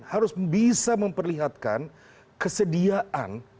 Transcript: harus bisa memperlihatkan kesediaan